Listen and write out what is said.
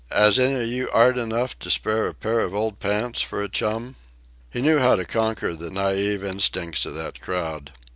'As any of you 'art enough to spare a pair of old pants for a chum?" He knew how to conquer the naïve instincts of that crowd.